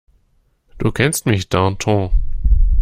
Du kennst mich, Danton.